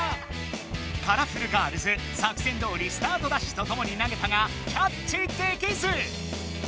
カラフルガールズ作戦どおりスタートダッシュとともに投げたがキャッチできず！